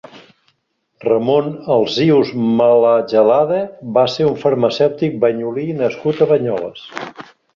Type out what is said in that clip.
Ramon Alsius Malagelada va ser un farmacèutic banyolí nascut a Banyoles.